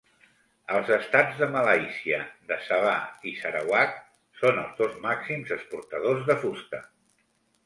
Els estats de Malàisia de Sabah i Sarawak són els dos màxims exportadors de fusta